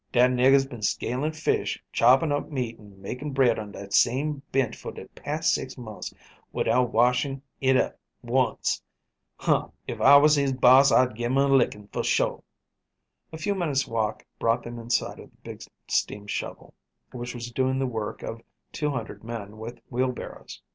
Dat nigger's been scaling fish, chopping up meat, and making bread on dat same bench for de past six months widout washin' hit up once. Huh, if I was his boss I'd give him a licking for sho'." A few minutes' walk brought them in sight of the big steam shovel, which was doing the work of two hundred men with wheelbarrows.